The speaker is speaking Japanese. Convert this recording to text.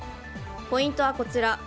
ポイントはこちら。